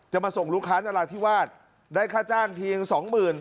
จะมาส่งลูกค้านาฬาที่วาดได้ค่าจ้างทีอีกสองหมื่น